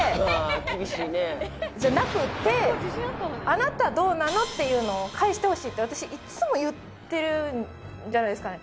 あなたどうなの？っていうのを返してほしいって私いっつも言ってるじゃないですか。